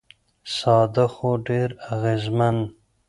ساده خو ډېر اغېزمن.